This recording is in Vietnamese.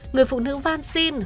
người phụ nữ văn xin hứa